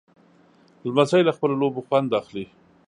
لمسی له خپلو لوبو خوند اخلي.